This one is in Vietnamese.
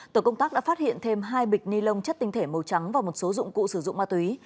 tổ công tác đã phát hiện thêm hai bịch ni lông chất tinh thể màu trắng và một số dụng cụ sử dụng ma túy